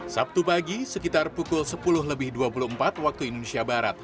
sabtu pagi sekitar pukul sepuluh lebih dua puluh empat waktu indonesia barat